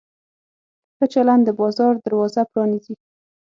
ښه چلند د بازار دروازه پرانیزي.